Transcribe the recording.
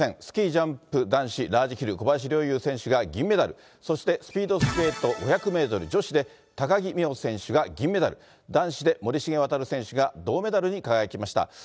スキージャンプ男子ラージヒル、小林陵侑選手が、銀メダル、そしてスピードスケート５００メートル女子で、高木美帆選手が銀メダル、男子で森重航選手が銅メダルに輝きました。